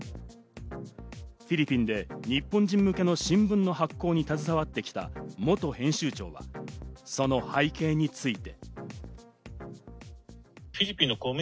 フィリピンで日本人向けの新聞の発行に携わってきた元編集長は、その背景について。